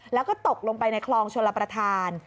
แล้วก็ตกลงไปในคลองชลประธาน